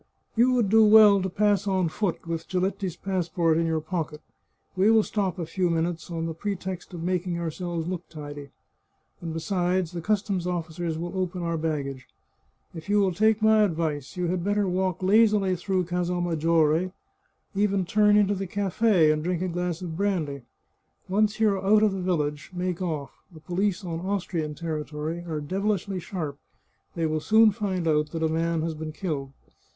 " You would do well to pass on foot with Giletti's pass port in your pocket. We will stop a few minutes, on the pretext of making ourselves look tidy. And besides, the customs officers will open our baggage. If you will take my advice, you had better walk lazily through Casal Mag giore ; even turn into the cafe and drink a glass of brandy. Once you are out of the village make ofif. The police on Austrian territory are devilishly sharp; they will soon find out that a man has been killed.